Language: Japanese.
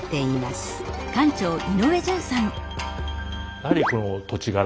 やはりこの土地柄